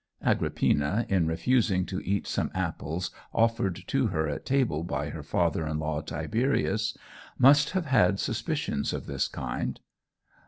Agrippina, in refusing to eat some apples offered to her at table by her father in law Tiberius, must have had suspicions of this kind.